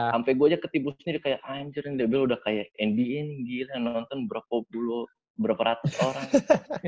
sampai gue aja ketiba sendiri kayak anjir ini dbl udah kayak nbn gila nonton berapa bulu berapa ratus orang